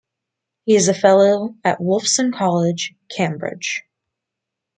He is a fellow at Wolfson College, Cambridge.